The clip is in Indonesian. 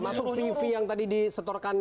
masuk vivi yang tadi disetorkan